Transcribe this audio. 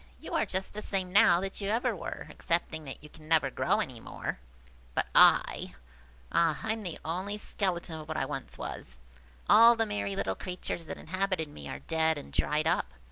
You are just the same now that you ever were, excepting that you can never grow any more. But I! ah, I am only the skeleton of what I once was! All the merry little creatures that inhabited me are dead and dried up.